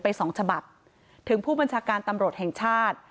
สองฉบับถึงผู้บัญชาการตำรวจแห่งชาติ